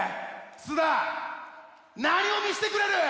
菅田何を見してくれる？